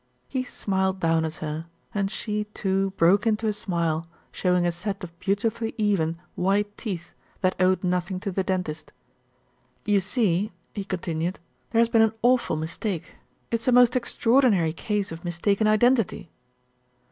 He smiled down at her and she, too, broke into a smile, showing a set of beautifully even, white teeth that owed nothing to the dentist. "You see," he continued, "there has been an awful mistake. It's a most extraordinary case of mistaken identity."